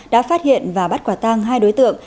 đã phát hiện và bắt quả tang hai đối tượng